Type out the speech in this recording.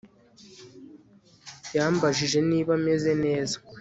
Yambajije niba meze neza